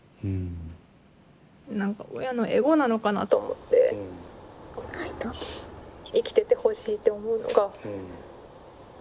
何か親のエゴなのかなと思って生きててほしいって思うのが。